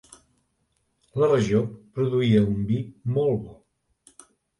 La regió produïa un vi molt bo.